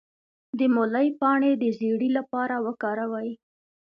د مولی پاڼې د زیړي لپاره وکاروئ